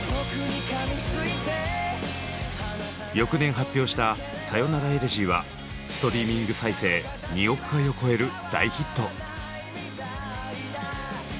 翌年発表した「さよならエレジー」はストリーミング再生２億回を超える大ヒット。